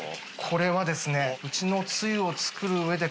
これはですねうちのつゆを造る上で。